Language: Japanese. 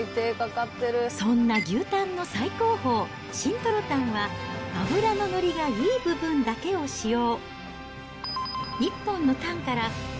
そんな牛タンの最高峰、真とろたんは、脂の乗りがいい部分だけを使用。